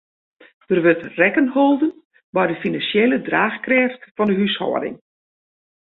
Der wurdt rekken holden mei de finansjele draachkrêft fan 'e húshâlding.